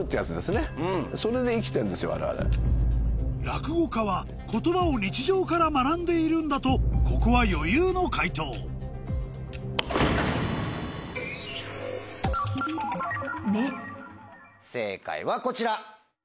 「落語家は言葉を日常から学んでいるんだ」とここは余裕の解答正解はこちら。